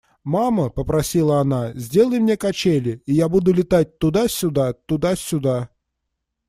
– Мама, – попросила она, – сделай мне качели, и я буду летать туда-сюда, туда-сюда.